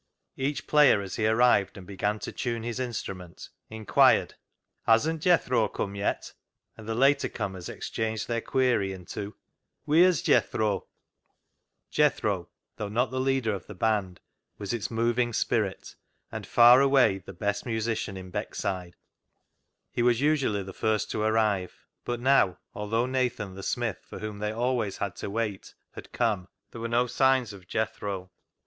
Each player as he arrived and began to tune his instrument, inquired —" Hasn't Jethro come yet ?" and the later comers exchanged their query into —" Wheer's Jethro ?" Jethro, though not the leader of the band, was its moving spirit, and far away the best 144 CLOG SHOP CHRONICLES musician in Beckside. He was usually the first to arrive ; but now, although Nathan, the smith, for whom they always had to wait, had come, there were no signs of Jethro.